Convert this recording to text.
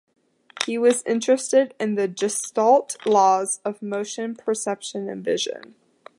He was interested in the Gestalt laws of motion perception in vision.